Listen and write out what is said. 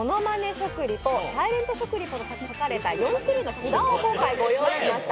食リポ、サイレント食リポと書かれた４種類の札を用意しました。